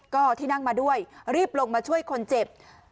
ก็ที่นั่งมาด้วยรีบลงมาช่วยคนเจ็บ